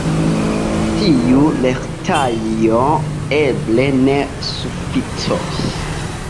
Tiu lertaĵo eble ne sufiĉos.